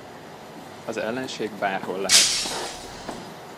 Az ellenség bárhol lehet.